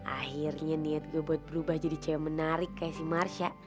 akhirnya niat gue buat berubah jadi cewek menarik kayak si marsha